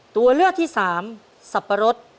ตัวเลือกที่สามสับปะรด